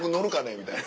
みたいな。